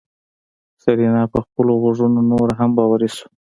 سېرېنا په خپلو غوږو نوره هم باوري شوه.